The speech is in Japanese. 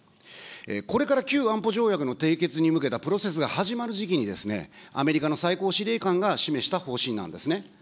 これから旧安保条約の締結に向けたプロセスが始まる時期に、アメリカの最高司令官が示した方針なんですね。